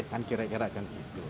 kalau di rumah tidak ada apa apa